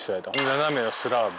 斜めのスラーブ